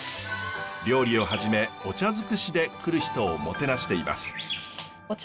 料理をはじめお茶尽くしで来る人をもてなしています。